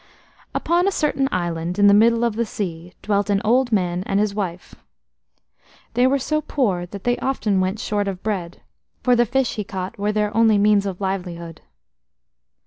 PON a certain island in the middle of the sea dwelt an old man and his wife. They were so poor that they often went short of bread, for the fish he caught were their only means of livelihood.